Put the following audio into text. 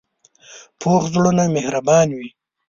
پوخ زړونه مهربانه وي